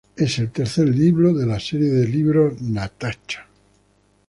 Es el tercer libro de la serie de los libros de "Natacha".